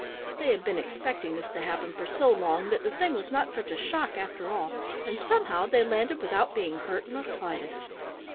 They had been expecting this to happen for so long that the thing was not such a shock after all, and somehow they landed without being hurt in the slightest.